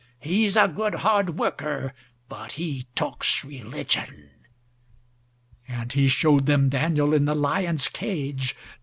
He's a good hard worker, but he talks religion."And he showed them Daniel in the lion's cage.